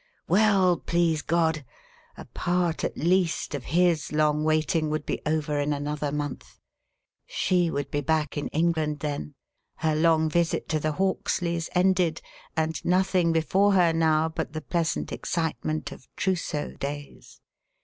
Well, please God, a part, at least, of his long waiting would be over in another month. She would be back in England then her long visit to the Hawksleys ended and nothing before her now but the pleasant excitement of trousseau days.